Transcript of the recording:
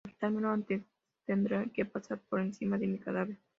Para quitármelo, antes tendrás que pasar por encima de mi cadáver